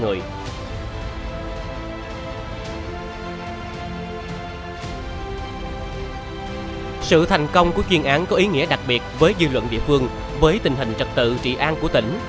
sự thành công của chuyên án có ý nghĩa đặc biệt với dư luận địa phương với tình hình trật tự trị an của tỉnh